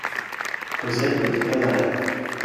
Cosette n’était pas malade.